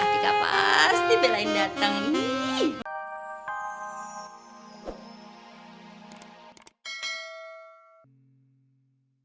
atika pasti belain dateng